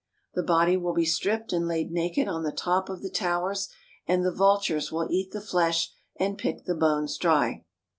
The body will be stripped and laid naked on the top of the Towers, and the vultures will eat the flesh and pick the bones dry.